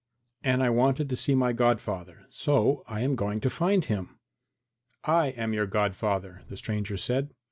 And I wanted to see my godfather, so I am going to find him." "I am your godfather," the stranger said.